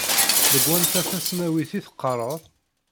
Deg wanta tasnawit i teqqareḍ?